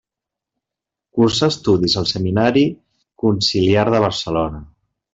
Cursà estudis al Seminari Conciliar de Barcelona.